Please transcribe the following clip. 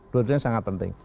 dua duanya sangat penting